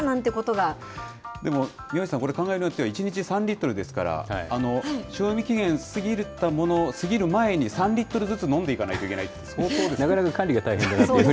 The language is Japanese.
でも、宮内さん、これ、考えようによっては、１日３リットルですから、賞味期限過ぎたもの、過ぎる前に３リットルずつ飲んでいかなきゃいけないって、相当ですね。